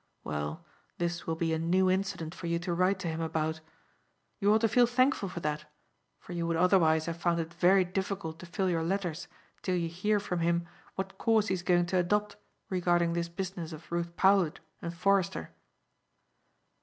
Well, this will be a new incident for you to write to him about. You ought to feel thankful for that; for you would otherwise have found it very difficult to fill your letters till you hear from him what course he is going to adopt regarding this business of Ruth Powlett and Forester."